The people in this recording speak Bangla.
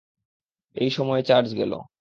এই সময়ে চার্জ গেল!